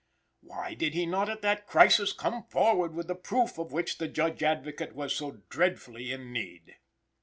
Why did he not at that crisis come forward with the proof of which the Judge Advocate was so dreadfully in need?